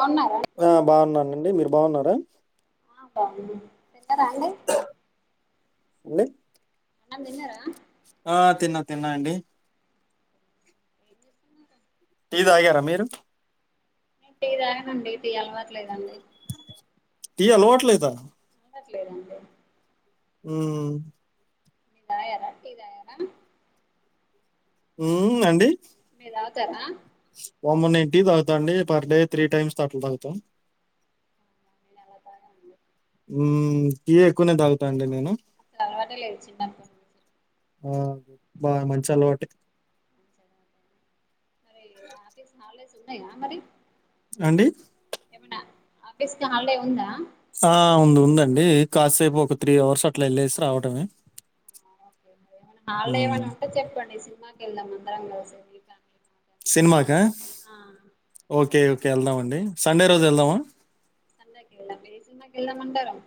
కొన్నా ఆ బావున్ననండి మీరు బావున్నారా తిన్నరా అండి అండి అన్నం తిన్నరా ఆ తిన్నా తిన్నా అండి టీ తాగరా మీరు టీ తాగనండి టీ అలవాట్లేదండి టీ అలవాట్లేదా అట్లేదండి హ్మ్ తాగర టీ తాగరా ఉమ్మ్ అండి మీరు తాగుతారా వామ్మో నేన్ టీ తాగుతా అండి పర్ డే త్రీ టైమ్స్ అట్ల తాగుతా నేన్ అలా తాగనండి హ్మ్ టీ ఎక్కువనే తాగుతా అండి నేను అసలు అలవాటే లేదు చిన్నపటి నుంచి ఆ బా మంచి అలవాటే మరి ఆఫీస్ హల్ డేస్ ఉన్నాయ మరి అండి ఆఫీస్కి హాల్ డే ఉందా ఆ ఉంది ఉందండి కాసేపు ఒక త్రీ అవర్స్ అట్లా ఎళ్ళేసి రావటమే హాల్డే ఉమ్ ఏమైనా ఉంటే చెప్పండి సినిమాకి ఎళ్దాం అందరం కలిసి గీతాంజలి సినిమాకా ఓకే ఓకే ఎళ్దాం అండి సండే రోజు ఎళ్దామా సండేకి ఎళ్దాం ఏ సినిమాకి ఎళ్దాం అండరం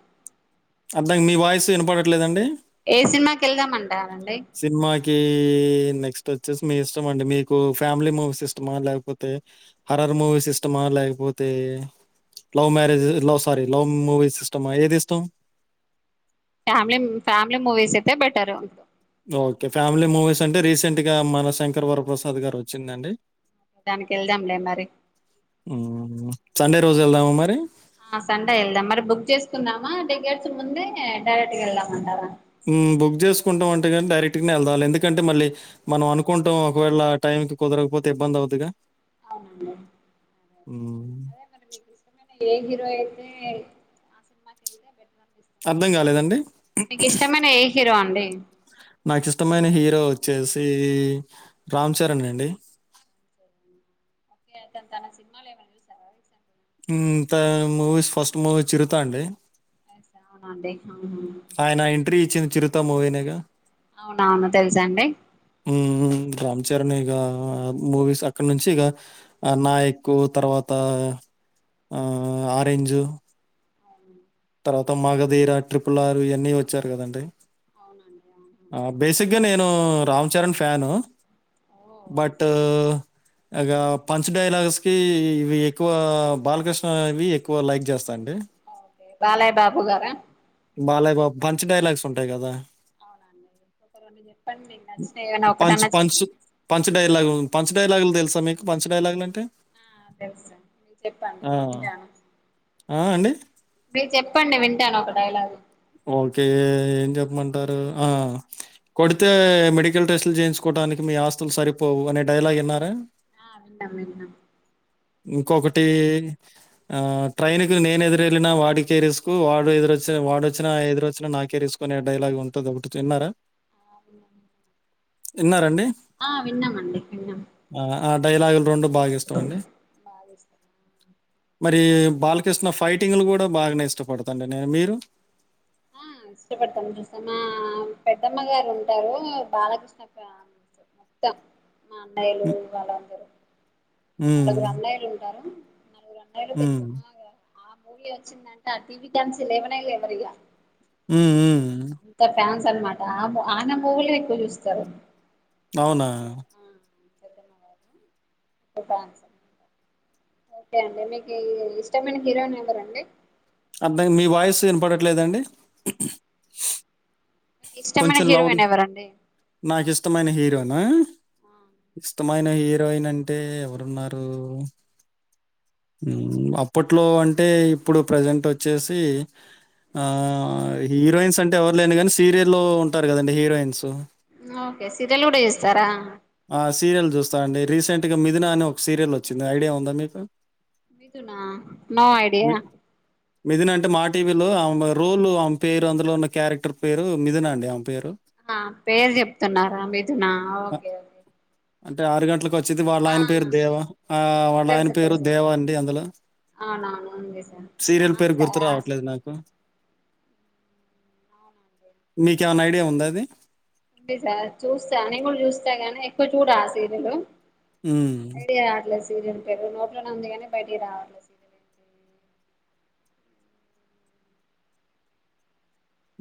అర్థగ్ మీ వాయిస్ ఇనపడట్లేదండి ఏ సినిమాకి ఎళ్దామంటారండి సినిమా కీ నెక్స్ట్ వచ్చేసి మీ ఇష్టం అండి మీకు ఫ్యామిలీ మూవీస్ ఇష్టమా లేకపోతే హర రర్ మూవీస్ ఇష్టమా లేకపోతే love marriage love sorry love movies సిస్టమా ఏది ఇష్టాం ఫ్యామిలిమ్ ఫ్యామిలీ మూవీస్ అయితే బెటర్ ఓకే ఫ్యామిలీ మూవీస్ అంటే రీసెంట్ గా మన శంకర్ వరప్రసాద్ గారు వచ్చిందండి దానికి వెళ్దాంలే మరి హ్మ్. సండే రోజు ఎళ్దామా మరి ఆ సండే ఎళ్దాం మరి బుక్ చేసుకుందామా టికెట్స్ ముందే డైరెక్ట్ గ ఎళ్దామంటారా బుక్ చేసుకుంటాం అంటే కానీ డైరెక్ట్ గనే ఎళ్దాం ఎందుకంటే మళ్ళీ మనం అనుకుంటాం ఒకవేళ టైమ్ కి కుదరకపోతే ఇబ్బంది అవిద్ది గా అవునండి అదేే మరి మీ ఇష్టమే నే ఏ హీరో అయితే అర్థంకాలేదండి మీకు ఇష్టమైన ఏ హీరో అండి నాకిష్టమైనా హీరో వచ్చేసి రామ్ చరణ్ అండి ఓకే అతన్ తన సినిమాలు ఏమన్నా చూసావా రీసెంట్లీ ఉమ్ త మూవీ ఫస్ట్ మూవీ చిరుతా అండి అవునండి ఆయన ఎంట్రీ ఇచ్చింది చిరుతా మూవీనేగా అవునా ఆమె తెలుసా అండి ఉమ్ రామ్ చరణ్ ఇగ మూవీస్ అక్కడ నుంచి ఇక ఆ నాయక్ తర్వాత ఆ ఆరెంజు అవును తర్వాత మగధీర ట్రిపులారు ఇవన్నీ వచ్చారు కదండి అవునండి అవు నేను రామ్ చరణ్ ఫ్యాను బట్ ఇగ పంచ్ డైలాగ్స్ కి ఇవి ఎక్కువ బాలకృష్ణ ఇవి ఎక్కువ లైక్ చేస్తా అండి బాలయ డాపు గారా బాలాయ బాబు పంచ్ డైలాగ్స్ ఉంటాయి గదా punch punch punch dialogue punch డైలాగులు తెలుసా మీకు పంచ్ డైలాగులంటే ఆ తెలుసండి చెప్పండి ఆ, వింటాను ఆ అండి మీరు చెప్పండి వింటాను ఒక డైలాగ్ ఓకే ఏం చెప్పమంటారు ఆ కొడితే మెడికల్ టెస్ట్లు చేయించుకోట డానికి మీ ఆస్తులు సరిపోవు అనే డైలాగ్ ఇన్నారా ఆ విన్నాం విన్నాం ఇంకొకటి ఆ ట్రైన్కు నేను ఎదురెళ్ళిన వాడికే రిస్క్ వాడు ఎదురోచ్చిన వాడు వచ్చినా ఎదురోచ్చినా నాకే రిసుకు అనే డైలాగ్ ఉంటది ఒకటి విన్నారా [inaudible] ఎన్నారండి ఆ విన్నం అండి విన్నం ఆ డైలాగులు రెండు బాగా ఇస్తాంమండి బాగిష్టమా బ బాలకృష్ణ ఫైటింగ్లు కూడా బాగానే ఇష్టపడుతాండి నేను మీరు ఆ ఇష్టపడతాం చూసా మా పెద్దమ్మ గారు ఉంటారు బాలకృష్ణ ఫ్యాన్ మొత్తం మా అన్నయలు వాళ్ళందరూ ఉమ్. నలుగురు అన్నయ్యలు ఉంటారు నాలుగు అన్నయ్యలు హ్మ్. పెద్దమ్మా ఆ మూవీ వచ్చిందంటే ఆ టీవీ కానుంచి లేవనే లేవరిగా ఉమ్ ఉమ్ అనమాట అబ్ ఆన మూవీలే ఎక్కువ చూస్తారు అవునా? [unintelligible] ఓకే అండి మీకు ఇష్టమైన హీరోయిన్ ఎవరండి అంతంగా మీ వాయిస్ ఇంపడట్లేదండి. కొంచెం లౌడ్ నాకు ఇష్టమైన హీరో యిన్ నా ఇష్టమైన హీరోయిన్ అంటే ఎవరున్నారు ఉమ్ అప్పట్లో అంటే ఇప్పుడు ప్రజెంట్ వచ్చేసి ఆ హీరోయిన్స్ అంటే ఎవరు లేని గాని సీరియల్లో ఉంటారు కదండి హీరోయిన్స్ ఓకే సీరియల్ కూడా చూస్తారా ఆ సీరియల్ చూస్టాండి రీసెంట్ గా మిథున అనే ఒక సీరియల్ వచ్చింది ఐడియా ఉందా మీకు మిథునా నో ఐడియా మిథిన అంటే మా టీవీలో ఆమె రూల్ ఆమ్ పేరు అందులో ఉన్న క్యారెక్టర్ పేరు మిథిన అండిమె ఆ పేర్ చెప్తున్నార మిథునా ఓకే ఓకే అంటే ఆరు గంటలకు వచ్చిది వాళ్ళాయన పేరు దేవ ఆ వాళ్ళ ఆయన పేరు దేవా అండి అందులో సీరియల్ పేరు గుర్తు రావట్లేదు నాకు మీకేమన్నా ఐడియా ఉందా అది ఎ సార్ చూస్తా నేన్ కూడ చూస్తా గానీ ఎక్కువ చూడ ఆ సీరియల్ ఉమ్ సీరియల్ పేరు నోట్లోనే ఉంది గాని బయటకి రావాట్లే సీరియల్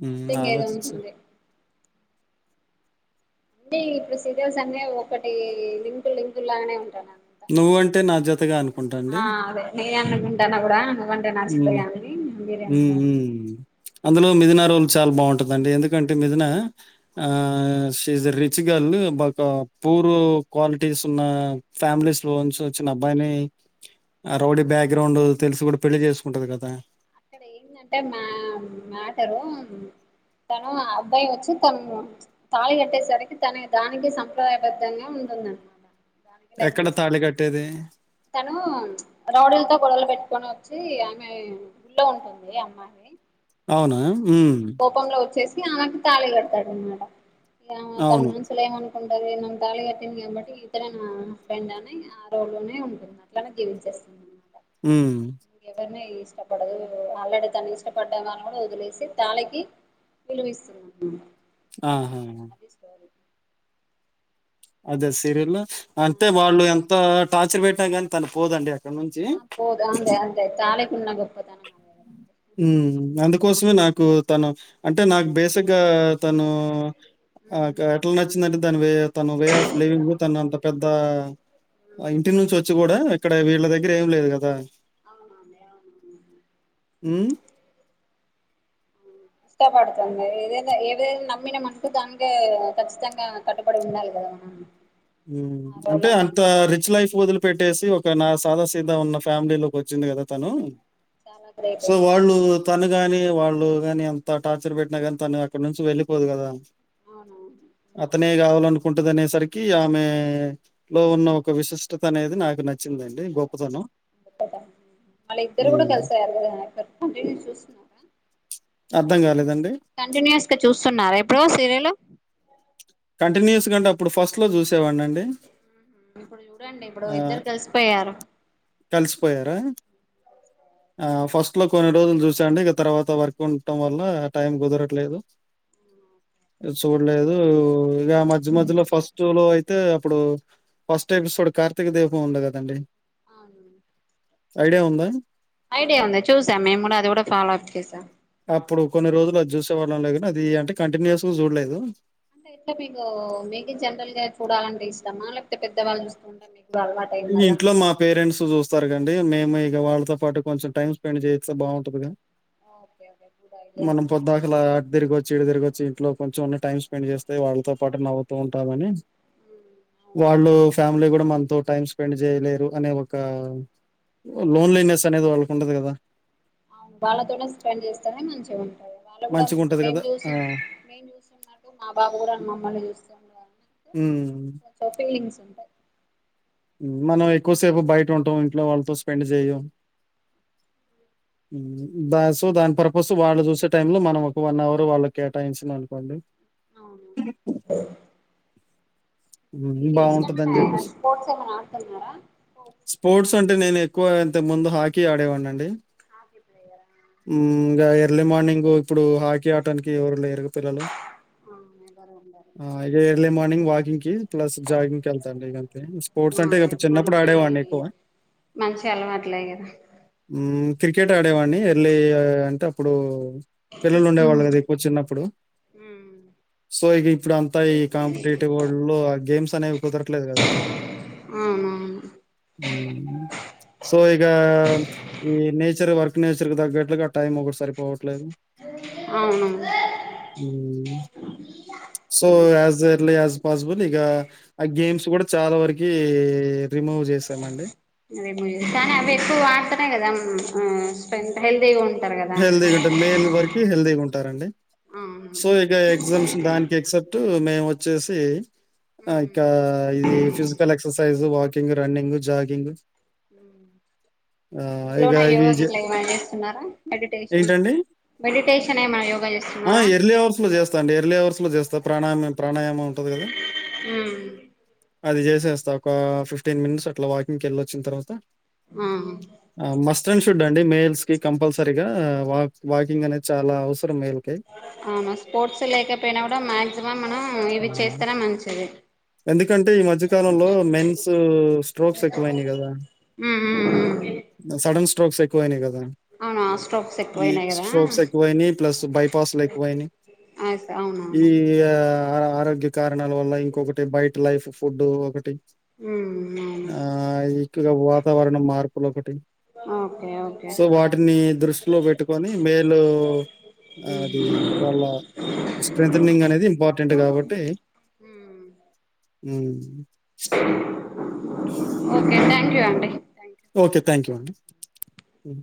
ఉమ్, సిట్టింగ్ ఏదో ఆలోచించు ఉంటుంది అండి ఇప్పుడు సీరియల్స్ అన్న ఒక టీ లింకు లింకులు లాగానే ఉంటాను నువ్వంటే నా జతగా అను ఆ అదే నేన్ గుింటన్నా కూడాడ న వంటే నా ఉమ్, చిిత్రగా అ బిర్యా ఉమ్, ఉమ్. అందులో మిదిన రూల్ చాల బాగుంటదిండి ఎందుకంటే మిదిన ఆ this a rich girl but poor qualities ఉన్న ఫ్యామిలీస్ లో నుంచి వచ్చిన అబ్బాయిని ఆ రౌడీ బ్యాక్గ్రౌండ్ తెలిసి కూడ పెళ్లి చేసుకుంటది కదా అక్కడ ఏందంటే మ్యా మ్యాటరు తను అబ్బయి వచ్చి తన తాళి కట్టే సరికి తనే దానికి సంప్రదాయ బద్దంగా అవున ఎక్కడ తగ్గిస్తు తాళి కట్టేది తను రౌడీల్తో గొడవలు పెట్టుకొని వ వచ్చి ఆమె ఇంట్లో ఉంటుంది అవునా ఉమ్, కోపంలో వచ్చేసి ఆమెకి తాళి కట్టాడనమాట ఇమె తన అవును మనస్సులో ఏమ్మాన కుంటది నా తాళి కట్టింది కాబట్టి ఇతడెనా హస్బెండ్ అని ఆ రోల్ లోనే ఉంటుంది అట్లానే జీవించేస్తుంది ఆమె ఉమ్ ఇష్టపడదు ఆల్రెడి తను ఇష్టపడిన వాళ్ళని వదిలేసి తాళకి విలువిస్తుంది. ఆహా హ అదే సరియల్ అంటే వాళ్ళు ఎంత టార్చర్ పెట్టినా కానీ తన్ పోదండి అక్కడి నుంచి. ఆ పోదు అందే అంతే తాళికున్న గొప్పతనం అందుకోసమే నాకు తను అంటే నాకు బేసిక్గా తనూ ఆ అక్క ఎట్ల నచ్చిందంటే దాని వే తన వే ఆఫ్ లివింగ్ తను అంత పెద్ద ఆ ఇంటి నుంచి వచ్చి కూడా ఇక్కడ వెళ్ళ దగ్గర ఏం లేదు కదా అవును అవును అట్లానే ఉమ్ ఇష్టపడుతుంది ఏదై ఏదైన నమ్మినమంటె దానికె కచ్చితంగా కట్టుబడి ఉండాలి ఉమ్ అంటే అంత రిచ్ లైఫ్ వదులు పెట్టేసి ఒక నా సాద సీద ఉన్న ఫ్యామిలీ లోకి వచ్చింది కదా తను చాలా గ్రేట్ సో, వాళ్ళు తను గాని వాళ్ళు గాని అంత టార్చర్ పెట్టినా కాని తను అక్కడ నుంచి వెళ్ళిపోదు కదా అతనే కావాలనుకుంటదనే సరికి ఆమె లో ఉన్న ఒక విశిష్టత అనేది నాకు నచ్చి అంటే గొప్పతనం అద వాళ్ళిద్దరు కూడ ఉమ్. కలిసారు కదా తప్పకుండా రియల్ చూస్తున్నారా అర్థం కాలేదండి కంటిన్యూస్గ చూస్తున్నార ఇప్పుడు సీరియలు కంటిన్యూయస్గ అంటే అప్పుడు ఫస్ట్ లో చూసేవాడి అండి డి ఆ కలిసి పోయార ఆ ఫస్ట్లో కొన్ని రోజులు చూసా అండి ఇక తర్వాత వర్క్ ఉండటం వల్ల టైం కుదరట్లేదు ఊ చూడలేదు ఇగా మధ్య మధ్యలో ఫస్ట్ లో అయి అయితే అప్పుడు ఫస్ట్ ఎపిసోడ్ కార్తీక దీపం ఉంది కదండి అవును ఐడియా ఉందా ఐడియా ఉంది చూసా మేము కూడా అది కూడా ఫాలో అప్ చేసాం అప్పుడు కొన్ని రోజులు అది చూసే వాళ్ళంలే కానీ అది అంటే కంటినియస్ గా చూడలేదు అంటే ఎట్లా మీకు మీకే జనరల్గా చూడాలంటే ఇష్టమా లేకపోతే పెద్దవాళ్ళు చూస్తూ ఉంటం మీకు ఇ ఇంట్లో మా పేరెంట్స్ చూస్త త్వరగా అండి మేము ఇక వాళ్ళతో పాటు కొంచెం టైమ్ స్పెండ్ చేయిస్తే బాగుంటదిగా మనం పొద్దాకుల అట్ట్తిరిగొచ్చి చీడు తిరువచ్చి ఇంట్లో కొంచెం అన్న టైం స్పెండ్ చేస్తే వాళ్లతో పాటు కొంచెం అన్న నవ్వుతూ ఉంటారనీ వాళ్ళు ఫ్యామిలీ కూడా మనతో టైమ్స్ స్పెండ్ చేయలేరు అనే ఒక లోన్లీనెస్ అనేది వాళ్ళకు ఉండదు కదా అవును వాళ్ళతో స్పెండ్ చేస్తేనే మంచిగా ఉంటాయి వాళ్ళ కూడా మంచిగుంటది మేము గదా! ఆ! చూసింది మే చూసే మా బాబు కూడా అ మమ్మల్ని చూస్త ఉని హు ట్విన్స్ ఉంటారు మనం ఎక్కువసేపు బయట ఉంటాం ఇంట్లో వాళ్ళతో స్పెండ్ చేయ్యం అ దా సో దాని పర్పస్ వాళ్ళు చూసే టైమ్ లో మనం ఒక వన్ అవర్ వాళ్ళకి కేటాయించిన అనుకోండి అ మీరు ఇష్టమనా బావుంటదని జెప్పేసి స్పోర్ట్స్ ఏమనా ఆడుతున్నారా స్పోర్ట్స్ అంటే నేను ఎక్కువ ఇంతకు ముందు హాకీ ఆడేవాడినీ అండి హాకీ ప్లేయర్ హ ఇంకా ఎర్లీ మార్నింగ్ ఇప్పుడు హాకీ ఆడటానికి ఎవరు లేరు పిల్లలు అందరూ ఉండారు ఆ ఇగా ఎర్లీ మార్నింగ్ వాకింగ్ కి ప్లస్ జాగింగ్ కి వెళ్తాండి ఇంత స్పోర్ట్స్ అంటే ఇడు చిన్నప్పుడు ఆడేవాడిని ఎక్కువ. మంచి అలవాట్లే కదా హ్మ్. క్రికెట్ ఆడేవాణ్ణి ఎర్లీ అంటే అప్పుడు పిల్లలు ఉండేవాళ్ళు కదా ఎక్కువ చిన్నప్పుడు ఉ సో ఇక ఇప్పుడు అంతా ఈ కాంపిటేటివ్ వరల్డ్ లో ఆ గేమ్స్ అనేవి కుదరట్లేదు కదండి అవునవును ఊ సో ఈగ ఈ నేచర్ వర్క్ నేచర్ దగ్గట్లుగా టైమ్ ఒకటి సరిపోవ అవును ఊ so as early as possible ఇగా ఆ గేమ్స్ కూడా చాలా వరకి రిమూవ్ చేసామండి రిమూవ్ అదే కానీ అవి ఎక్కువ ఆడితేనే కదా స్పె హెల్దీగా ఉంట హేల్ది ఉంటుంది మేల్ వరకి హేల్ది గా ఉంటు ఉంటారండి అవును సో ఇక ఎగ్జామ్స్ దానికి ఎక్సెప్ట్ మేము వచ్చేసి ఆ ఇకా ఇది physical exercise walking running jogging ఆహ్, ఇక ఇంట్లోన యోగ ఇవి జే గిట్ల ఏమన్నా చెస్తున్నారా మెడిటేషన్ ఏంటండి? మెడిటేషన్ ఏమన్నా యోగ ఆ ఎర్లీ అవర్స్ లో చేస్తా అండి ఎర్లీ అవర్స్ లో చేస్తా ప్రాయామ ప్రాణాయామం ఉంటంది కదా ఊ అది చేసేస్తా ఒక ఫిఫ్టీన్ మినిట్స్ అట్లా వాకింగ్కి వెళ్ళి వచ్చిన తర్వాత ఆ హ మస్ట అండ్ షుడ్ అండి మేయిల్స్ కి కంపల్సరిగా వాక్ వాకింగ్ అనేది చాలా అవసరం మెల్ అవును స్పోర్ట్స్ లేకపోయినా కూడా మాక్సిమం మనం ఇవి హ్మ్. చేస్తేనే మంచిది ఎందుకంటే ఈ మధ్యకాలంలో మెన్స్ స్ట్రోక్స్ ఎక్కువయినాయి కదా ఉమ్ ఉమ్ ఉమ్ సడన్ స్ట్రోక్స్ ఎక్కువైనాయి కదా అవును స్ట్రోక్స్ ఈ ఎక్కువయినాయి కదా స్ట్రోక్స్ ఎక్కువయినాయి ప్లస్ బైపాస్ లో ఎక్కువయినాయి ఈ అవునవును ఆ ఆ ఆరోగ్య కారణాల వల్ల ఇంకొకటి బయట లైఫ్ ఫుడ్ ఒకటి ఉమ్ ఆ అవును ఎక్కువగా వాతావరణం మార్పులు ఒకటి ఓకే ఓకే సో వాటిని దృష్టిలో పెట్టుకొని మేలు ఉమ్ అది వాళ్ళ స్ట్రెథనింగ్ అనేది ఇంపార్టెంట్ కాబట్టి ఉమ్ ఊ క్యూ అండి థ్యాంక్ యూ అ